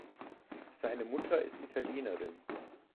Seine Mutter ist Italienerin.